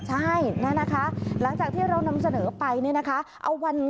ใช่นะคะหลังจากที่เรานำเสนอไปเนี่ยนะคะ